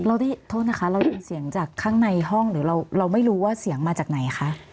เราได้โทษนะคะเราได้ยินเสียงจากข้างในห้องหรือเราไม่รู้ว่าเสียงมาจากไหนคะ